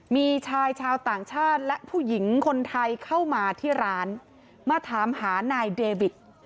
มีชายชาวต่างชาติและผู้หญิงคนไทยเข้ามาที่ร้านมาถามหานายเดวิท